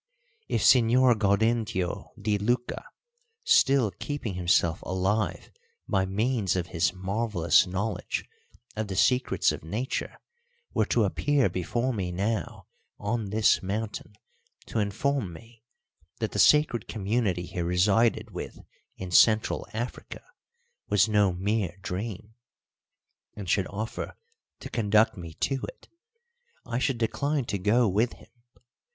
If Signor Gaudentio di Lucca, still keeping himself alive by means of his marvellous knowledge of the secrets of Nature, were to appear before me now on this mountain to inform me that the sacred community he resided with in Central Africa was no mere dream, and should offer to conduct me to it, I should decline to go with him.